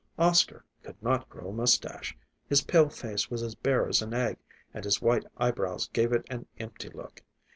Oscar could not grow a mustache; his pale face was as bare as an egg, and his white eyebrows gave it an empty look.